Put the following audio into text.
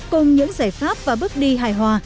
cùng những giải pháp và bước đi hài hòa